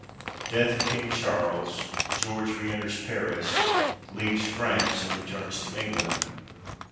Death of King Charles. George re enters Paris. Leaves France, and returns to England.